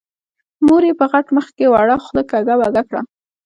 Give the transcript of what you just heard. مور يې په غټ مخ کې وړه خوله کږه وږه کړه.